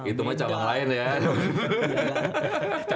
itu mah calon lain ya